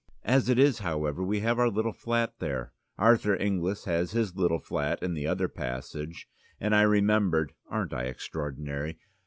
As it is, however, we have our little flat there, Arthur Inglis has his little flat in the other passage; and I remembered (aren't I extraordinary?)